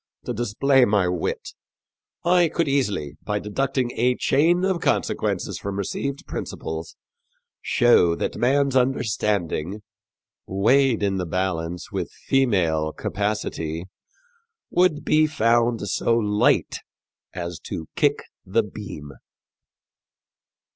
to display my wit, I could easily, by deducting a chain of consequences from received principles, shew that man's understanding, weighed in the balance with female capacity, would be found so light as to kick the beam."